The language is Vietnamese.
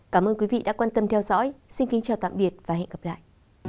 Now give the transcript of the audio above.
cảm ơn quý vị đã quan tâm theo dõi xin kính chào tạm biệt và hẹn gặp lại